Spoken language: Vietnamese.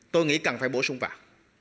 tôi nghĩ cần phải bổ sung vào